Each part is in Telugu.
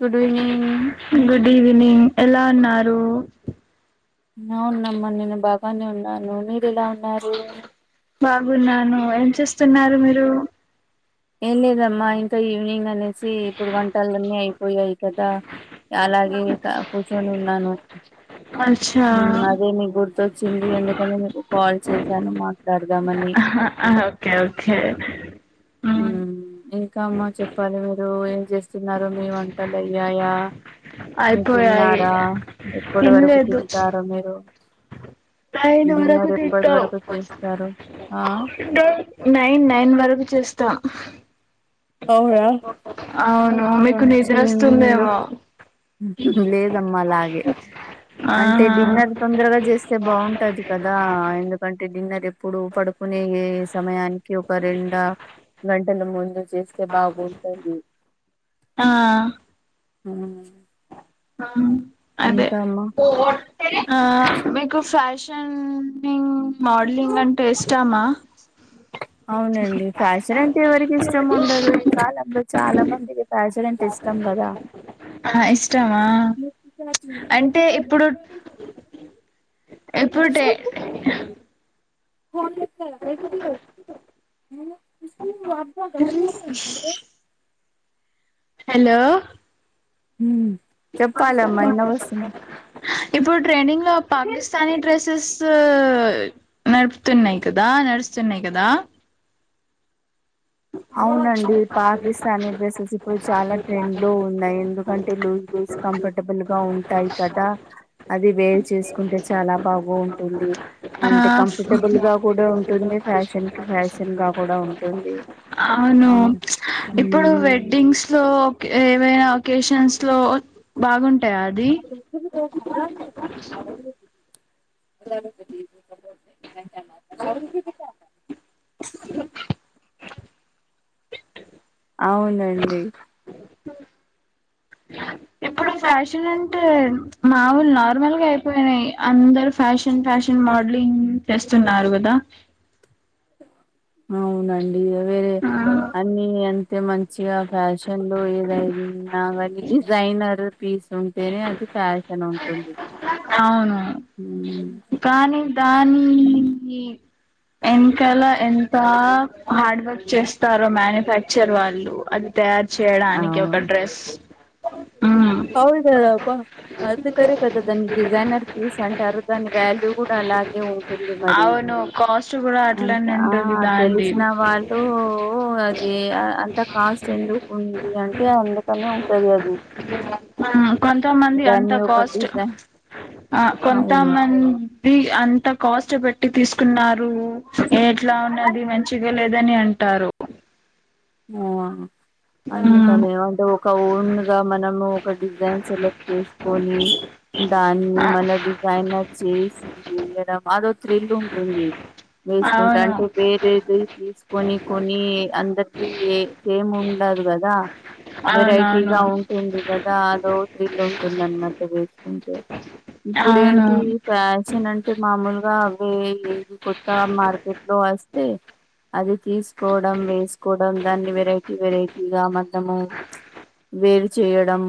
గుడ్ ఈవినింగ్ గుడ్ ఈవెనింగ్ ఎలా ఉన్నారు అవునమ్మా నేను బాగానే ఉన్నాను మీరు ఎలా ఉన్నారు బాగున్నాను ఏం చేస్తున్నారు మీరు ఏం లేదమ్మా ఇంకా ఈవినింగ్ అనే సి ఇప్పుడు వంటలు అన్నీ అయిపోయాయి కదా అలాగే ఇక కూర్చొని ఉన్నాను అ అదే మీకు గుర్తొచ్చింది ఎందుకని మీకు కాల్ చేశాను మా ఆహా ఓకే ఓకే మ్, ఇంక అమ్మా చెప్పాలి మీరు ఏం చేస్తున్నారు మీ వంటలు అయ్యాయ మీ అయిపోయాయి తిన్నార ఎప్పటి వరకు తినలేదు తింటారు మీరు [unintelligible] డిన్నర్ ఎప్పటి వరకు తింటామ్ చేస్తారు ఆ నైన్ నైన్ వరకు చూస్త అవున అవును మీకు నిద్ర వస్తుందేమో [unintelligible] లేదమ్మా లాగే అంటే ఆహా డిన్నర్ తొందరగా చేస్తే బాగుంటది కదా ఎందుకంటే డిన్నర్ ఎప్పుడు పడుకునే ఏ సమయానికి ఒక రెండు గంటల ముందు చేస్ ఆ ఉ ఆ అదే అమ్మా ఆ మీకు ఫ్యాషనింగ్ మోడలింగ్ అంటే ఇష్టమ అవునండి ఫ్యాషన్ అంటే ఎవరికి ఇష్టం ఉండదు ఈ కాలంలో చాల మంది ఆ ఇష్టమా అంటే ఇప్పుడు [inaudible] ఇప్పుడు టే [inaudible] [unintelligible] హలో చెప్పాలమ్మా అయిన [unintelligible] ఇప్పుడు ట్రెండింగ్ లో పాకిస్తానీ డ్రెస్సెస్ నడుపుతున్నాయి కదా నడుస్తున్నాయి కదా అవునండి పాకిస్తానీ డ్రెసెస్ ఇప్పుడు చాల ట్రెండ్ లో ఉన్నాయి ఎందుకంటే లు స్ కంఫర్టబుల్ గా ఉంటాయి కదా అది వేరు చేసుకుంటే చాల బాగు ఉంటుంది ఆ అంటే కంఫర్టబుల్ గా కూడ ఉంటుంది ఫ్యాషన్ కి ఫ్యాషన్ గా కూడా ఉంటుంది అవును ఇప్పుడు మ్మ్ వెడ్డింగ్స్ లో ఏవైన అకేషన్స్లో అప్పుడు ఇద్దరి దగ్గర చాలా ఉన్న రైల్వే టికెట్లు [unintelligible] హు హు అవునండి ఇప్పుడు ఫ్యాషన్ అంటే మాములు నార్మల్గా అయిపోయినాయి అందర్ ఫ్యాషన్ ఫ్యాషన్ మోడలింగ్ చేస్తున్నారు కదా అవునండి వేరే ఆ అన్ని అంతే మం మంచిగా ఫ్యాషన్ లో ఏదైనా కానీ డిజైనర్ పీస్ ఉంటేనే అది ఫ్యాషన్ [unintelligible] ఉంటుంది అవును ఉమ్, కానీ దాని కి ఇంకల ఎంత హార్డ్ వర్క్ చేస్తారో మ్యానుఫ్యాక్చర్ వాళ్ళు అది తయార్ చేయడానికి అవును ఒక డ్రస్ అవును కదా అమ్మ అందుకనే [unintelligible] డిజైనర్ పీస్ అంటారు దాని వాల్యూ కూడ అలాగే ఉం ఆ ఉంటుంది మరి అవును కాస్ట్ కూడా అట్లనే ఆ ఉంటది దాంది తెలిసిన వాళ్ సో అది అంత కాస్ట్ ఎందుకు ఉంది అంటే అందుకనే ఉంటది అది వివాన్ ఆ కొంతమంది అంత దాన్ని ఒక కాస్ట్ డిజైన్ ఆ అవును కొంతమంది హ్మ్ ఇది అంత కాస్ట్ పెట్టి తీసుకున్నారు ఎట్లా ఉన్నది మంచిగా లేదని అంటారు ఆ మ్మ్ అందుకని ఒక ఓన్ గా మనము ఒక డిజైన్ సెలెక్ట్ చేసుకొని దాన్ని ఆ మళ్ల డిజైనర్ చేసి వేయడం అదో థ్రిల్లింగ్ ఉంటుంది వేసుకుంటే అవును అంటే వేరేది తీసుకొని కొని అందరికి సేమ్ ఉండదు కదా అవునవును వెరైటీగా ఉంటుంది కదా అదో థ్రిల్లు ఉంటున్నట్టు వేసుకుంటే ఇప్పుడు అవును ఏంటి ఫ్యాషన్ అంటే మామూలుగా అవే ఏది కొత్తా మార్కెట్ లో వస్తే అది తీసుకోవడం వేసుకోవడం దాన్ని వెరైటీ వెరైటీ ఇగ మతం వేరు చేయడం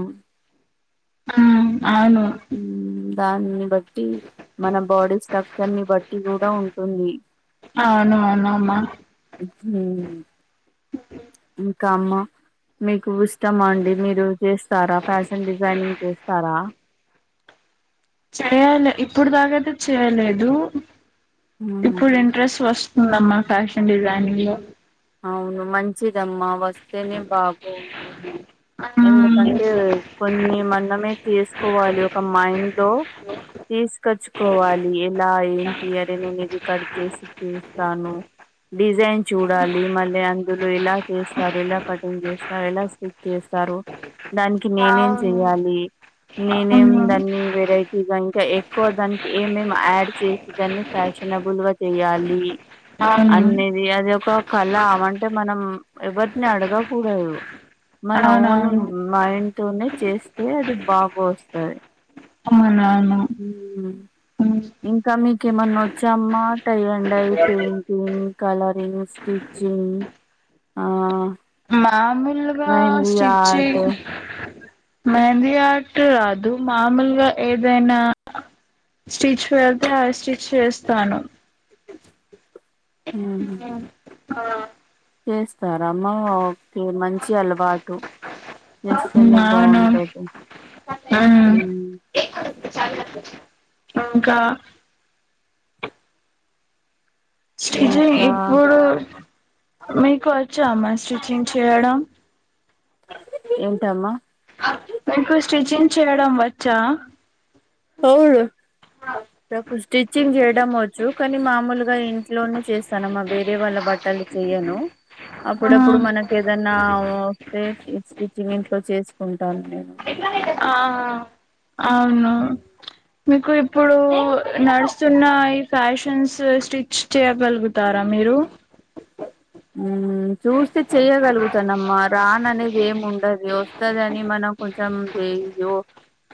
ఆ అవును దాన్నీ బట్టి మన బాడీ స్ట్రక్చర్ ని బట్టి కూడా ఉంటుంది ఆ అవును మనమ్మ ఉమ్ ఇంకా అమ్మ మీకు స్ ఇష్టమా అండి మీరు చేస్తారా ఫ్యాషన్ డిజైనింగ్ చేస్తారా చెయ్యాలి ఇప్పుడు దాకాతే చేయలేదు ఇప్పుడు మ్, ఇంట్రెస్ట్ వస్తు ఉందమ్మా ఫ్యాషన్ డిజైనింగ్ లో అవును మంచిదమ్మా వస్తేనే బాగుంటుంది ఎందుకంటే కొన్ని మనమే చేసుకోవాలి ఒక మైండ్ లో తీసుకొచ్చుకోవాలి ఎలా ఏంటి అరే నేను ఇది కట్ చేస్తే చేస్తాను డిజైన్ చూడాలి ఇగ మళ్ళీ అందులో ఎలా చేస్తారు ఎలా కటింగ్ చేస్తారు ఎలా స్టిచ్ చేస్తారు దానికి నేనేం చెయ్యాలి నేనేం అవును దాన్ని వెరైటీగా ఇంకా ఎక్కువ దానికి ఏమేం యాడ్ చేసి దాన్ని ఫ్యాషనబుల్ గా చెయ్యాలి అవును అమ్మ ఇది అది ఒక కళ అవంటే మనం ఎవరిని అడగకూడదు మన ఓను అవునవును మా ఇంట్లోనే చేస్తే అది బాగా వస్తుంది అమ్మ అవునవును ఇంకా మీకేమన్నా వచ్చామ్మా టయింగ్ డయింగ్ అయిపోయి రింగ్ కలరింగ్ స్టిచింగ్ ఆ మామూలుగా mehndi art stitching mehndi at అదు మామూలుగా ఏదైనా స్టిచ్ వెళ్తే అది స్టిచ్ వేస్తాను [inaudible] ఆ చేస్తారమ్మా ఓకే మంచి అలవాటు చేస్తేనే అవును బాగుంటది ఉమ్. హ్మ్ ఇంకా స్టిచింగ్ ఇంకా ఇప్పుడు మీకు వచ్చామ్మా స్టిచింగ్ చేయడం ఏంటమ్మా మీకు స్టిచ్చింగ్ చేయడం వచ్చా అవునుకు నాకు స్టిచ్చింగ్ చేయడం వచ్చు కానీ మామూలుగా ఇంట్లోనే చేస్ తనమ్మ వేరే వాళ్ళ బట్టలు చెయ్యను ఆ అప్పుడప్పుడు మనకి ఏదన్నా వస్తే స్టిచ్చింగ్ ఇంట్లో చేసి కుంటాను నేను ఆ అవును మీకు ఇప్పుడు నడుస్తున్న ఫ్యాషన్స్ స్టిచ్ చేయగలుగుతారా మీరు ఉ చూస్తే చెయ్యగలుగుతానమ్మా రాన్ అనేది ఏమి ఉండదు వస్తదని మనం కొంచెం లేదు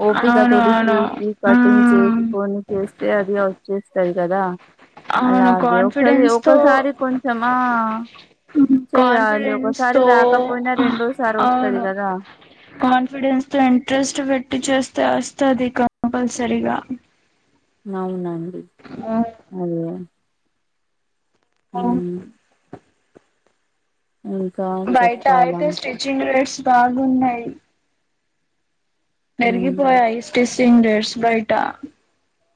ఓపికతో అవును అవును చూసి కటింగ్ మ్మ్ చేసుకొని చేస్తే అది వచ్చేస్తది కదా అవును అలాగే ఒకసారి కాన్ఫిడెన్స్ తో ఒకసారి కొం చమా చెయ్యాలి కాన్ఫిడెన్స్ ఒకసారి తో రాకపోయినా రెండోసారి వస్తది అవును కదా కాన్ఫిడెన్స్ తో ఇంట్రెస్ట్ పెట్టి చేస్తే వస్తది కంపల్సరిగా అవునండి హ్ అయ్యో ఆ ఇంకా చెప్పాలం చిం రేట్స్ బాగున్నాయి ఉమ్ పెరిగిపోయాయి స్టీచింగ్ రేట్స్ బయట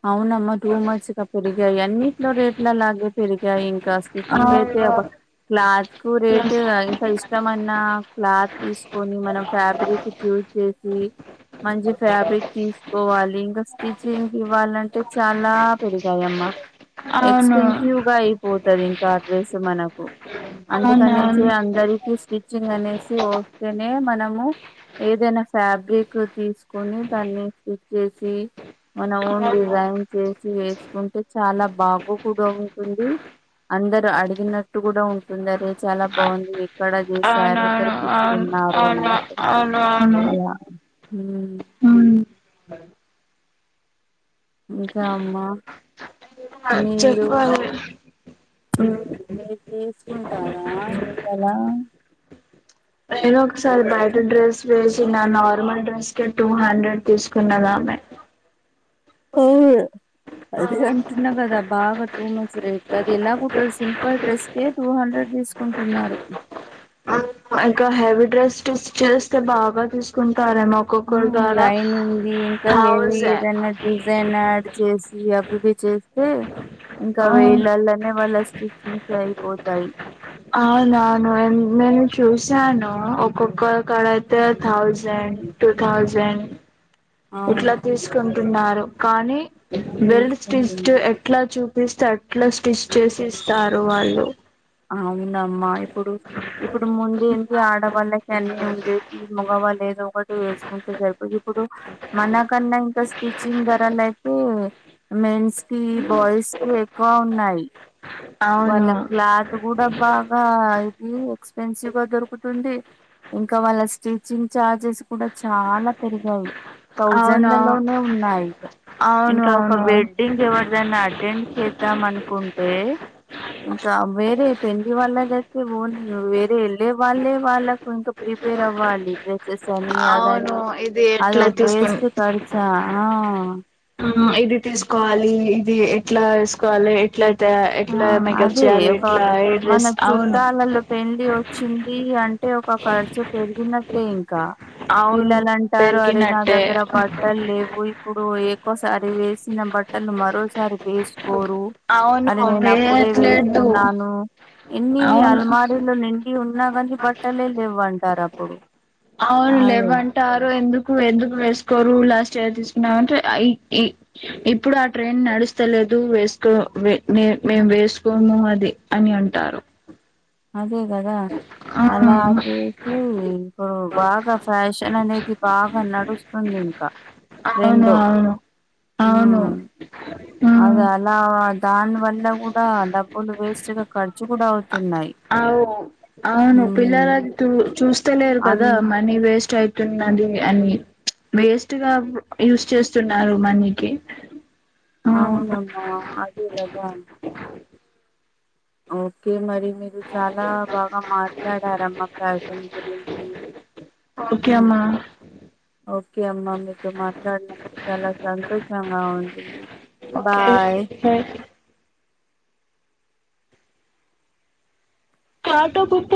అవునమ్మా టూ మంత్స్ గా పెరిగాయి అన్నిట్లో రేట్లలాగే పెరిగాయి ఇంకా స్టిచ్చింగ్ అయితే అవును అబ్బా క్లాత్కు రేట్ ఇంకా ఇష్ ఇష్టమన్న క్లాత్ తీసుకొని మనం ఫ్యాబ్రిక్ చూజ్ చేసి మంచి ఫ్యాబ్రిక్ తీసుకోవాలి ఇంకా స్టిచింగ్ ఇవ్వాలంటే చాలా పెరిగాయమ్మ అవును ఎక్స్పెన్సివ్ గా అయిపోతది ఇంకా ఆ డ్రెస్ మనకు అందుకనేసి అవునవును ఆ అందరికి స్టిచ్చింగ్ అనేసి ఓస్తానే మనము ఏదైనా ఫ్యాబ్రిక్ తీసుకొని దాన్ని స్టిచ్ చేసి మన ఓన్ డిజైన్ చేసి వేసుకుంటే చాలా బాగ కూడా ఉంటుంది అందరు అడిగినట్ ట్టు కూడా ఉంటుంది అరే చాలా బాగుంది ఎక్కడ చేశారు ఎక్కడ అవునవును అవును తీసుకున్నారు అవును అన్నట్టు అవును అలా హ్మ్ హ్మ్ ఇంకా అమ్మా ఎందుకు మీరు మళ్ళీ చెప్పాలి మీరు తీసుకుంటారా అలా నేను ఒకసారి బయట డ్రెస్ చేసిన నార్మల్ డ్రెస్ కి టూ హండ్రెడ్ తీసుకున్నదామె అవును అదే అంటున్నా గదా బాగా టూ మచ్చ రేట్ల అది ఎలా కుట్టారు సింపల్ డ్రెస్ కే టూ హండ్రెడ్ తీసుకుంటున్నారు ఇంకా హెవీ డ్రెస్స్టి స్టిచ్ చేస్తే బాగా తీసుకుంటారేమో ఒక్కొక్కరు కాడ లైనింగ్ది ఇంకా హెవీ థౌజండ్ ఏదన్నా డిజ్ జైన్ యాడ్ చేసి అవిఇవి చేస్తే ఇంకా వేలలోనే వాళ్ళ స్టిచ్చింగ్ అయిపోతాయి అవునవును నేను చూసాను ఒక్కొక్కక్కడ అయితే థౌజండ్ టూ థౌజండ్ ఇట్లా అవును తీసుకుంటున్నారు కానీ వెల్డ్ స్స్ తీసుకుంటున్నా ఎట్లా చూపిస్తే అట్లా స్టిచ్ చేసి ఇస్తారు వాళ్ళు అ మ్మా ఇప్పుడు ఇప్పుడు ముందేంటి ఆడవాళ్ళకి అన్నీ ఉండేవి మగ వాళ్ళు ఏదో ఒక వేసుకొంటే సరిపోదు ఇప్పుడు మన కన్నా ఇంకా స్టిచింగ్ ధరలు అయితే మెన్స్ కి బాయ్స్ కి ఎక్కువ ఉన్నాయి అవును వాళ్ళ క్లాత్ కూడా బాగా ఇది ఎక్స్పెన్సివ్ గా దొరుకుతుంది ఇంకా వాళ్ళ స్టిచ్చింగ్ ఛార్జెస్ కూడా చాలా పెరిగాయి అవును థౌజండ్లలోనే ఉన్నాయి అవును ఇంకా ఒక అవును వెడ్డింగ్ ఎవరిదైనా అటెండ్ చేద్దాం అనుకుంటే ఇంకా వేరే పెళ్లి వాళ్ళది అయితే ఓ వేరే వెళ్ళే వాళ్ళే వాళ్ళకు ఇంకా ప్రీ ప్రేమ అవ్వాలి సేమియా అవును కానీ ఇది ఎట్లా అదొక తీసుకు వేస్ట్ ఖర్చా ఆ ఇది తీసుకోవాలి ఇది ఎట్లా తీసుకోవాలి ఎట్లా ఆ ఎట్లా మేకప్ అదే చేయాలి ఒక ఎట్లా ఏ మన డ్రెస్ అవును చుట్టాలలో పెళ్లి వచ్చింది అంటే ఒక ఖర్చు పెరిగినట్టే ఇంకా అవును పిల్లలు అంటారు అరే నా పెరిగినట్టే దగ్గర బట్టలు లేవు ఇప్పుడు ఎకోసారి వేసిన బట్టలు మరోసారి వేసుకోరు అవును అది నేను అప్పుడే వేయట్లేదు వేసుకున్నాను ఇన్ని అవును అల్మారీలు ని నిండి ఉన్నా కానీ బట్టలే లేవు అంటారు అప్పుడు అవును అదే లేవంటారు ఎందుకు ఎందుకు వేసుకోరు లాస్ట్ ఇయర్ తీసుకున్నామంటే ఈ ఇప్పుడు ఆ ట్రైన్ నడుస్తు ఇస్తలేదు వేసుకోే మేము వేసుకోము అది అని అంటారు అదే కదా ఆ అలా అది ఇప్పుడు బాగా ఫ్యాషన్ అనేది బాగా నడుస్తుంది ఇంకా అవును ట్రెండు అవును అవును ఆ అదే అలా దాని వల్ల కూడా డబ్బులు వేస్ట్గా ఖర్చు కూడా అవుతున్నాయి అవు అవును పిల్లలు ఉమ్ అది చూస్తలేరు అన్ కదా మనీ వేస్ట్ అయి న్నది అని వేస్ట్ గా యూస్ చేస్తున్నారు మనీకి ఆ అవునమ్మా అదే కదా ఓకే మరి మీరు చాలా బాగా మాట్లాడారమ్మా ఫ్యాషన్ గురించి ఓకే ఆ అమ్మా ఓకే అమ్మ మీతో మాట్లాడినందుకు చాలా సంతోషంగా ఉంది బాయ్ స [unintelligible]